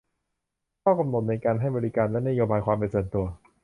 ข้อกำหนดในการให้บริการและนโยบายความเป็นส่วนตัว